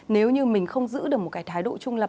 nếu như mình không giữ được một cái thái độ trung lập